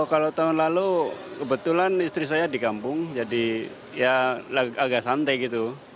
kalau tahun lalu kebetulan istri saya di kampung jadi ya agak santai gitu